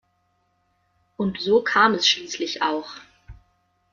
Und so kam es schließlich auch.